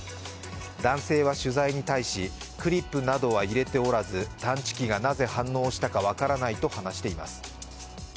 男性は取材に対し、クリップなどは入れておらず探知機がなぜ反応したか分からないと話しています。